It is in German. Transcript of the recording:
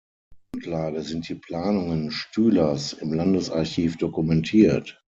Grundlage sind die Planungen Stülers, im Landesarchiv dokumentiert.